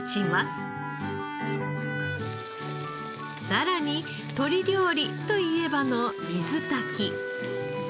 さらに鶏料理といえばの水炊き。